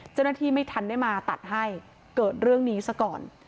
เจ้าหน้าที่ไม่ทันได้มาตัดให้เกิดเรื่องนี้ซะก่อน